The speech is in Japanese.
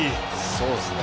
そうですね。